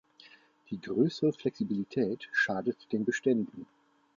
Die größere Flexibilität schadet den Beständen.